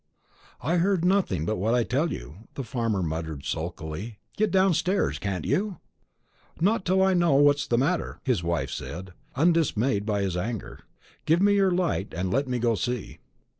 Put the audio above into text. "I heard nothing but what I tell you," the farmer muttered sulkily. "Get downstairs, can't you?" "Not till I know what's the matter," his wife said, undismayed by his anger. "Give me your light, and let me go and see."